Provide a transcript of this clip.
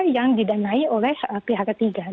jadi oleh pihak ketiga